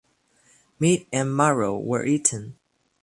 Meat and marrow were eaten.